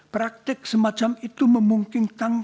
praktek semacam itu memungkinkan